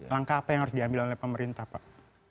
langkah apa yang harus diambil oleh pemerintah pak